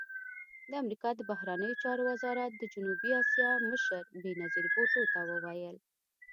د امریکا د بهرنیو چارو وزارت د جنوبي اسیا مشر بېنظیر بوټو ته وویل